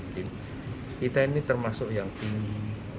kita ini termasuk yang tinggi